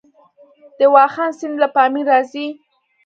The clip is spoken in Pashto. د واخان سیند له پامیر راځي